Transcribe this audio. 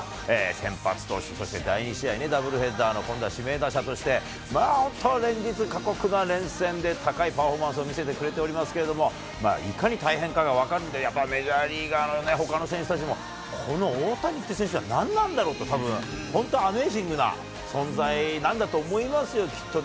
先発投手、そして第２試合ね、ダブルヘッダーの今度は指名打者として、本当、連日、過酷な連戦で、高いパフォーマンスを見せてくれておりますけれども、いかに大変かが分かるんで、やっぱりメジャーリーガーは、ほかの選手たちも、この大谷っていう選手は、何なんだろうと、たぶん、本当にアメージングな存在なんだと思いますよ、きっと。